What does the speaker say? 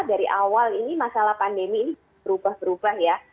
dari awal ini masalah pandemi ini berubah berubah ya